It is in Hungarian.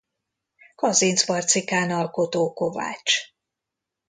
Kazincbarcikán alkotó kovács.